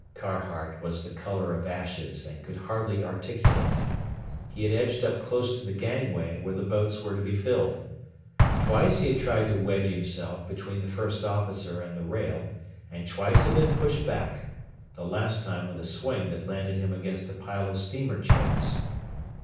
Carhart was the color of ashes and could hardly articulate. He had edged up close to the gangway where the boats were to be filled. Twice he had tried to wedge himself between the First Officer and the rail and twice had been pushed back the last time with a swing that landed him against a pile of steamer chairs.